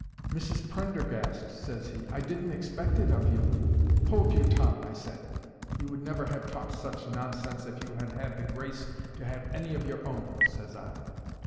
"Mrs Prendergast," says he, "I didn't expect it of you."—"Hold your tongue," I said. "You would never have talked such nonsense if you had had the grace to have any of your own," says I.